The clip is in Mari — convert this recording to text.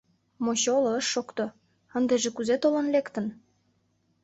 — Мочоло ыш шокто, ындыже кузе толын лектын?